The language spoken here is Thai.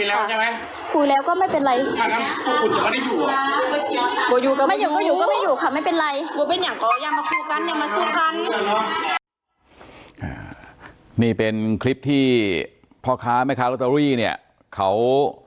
อ๋อเจ้าสีสุข่าวของสิ้นพอได้ด้วย